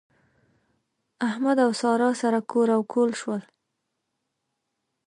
احمد او سارا سره کور او کهول شول.